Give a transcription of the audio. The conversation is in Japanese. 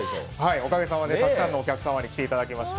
おかげさまでたくさんのお客様に来ていただきました。